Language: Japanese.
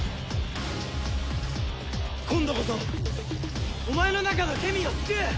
今度こそお前の中のケミーを救う！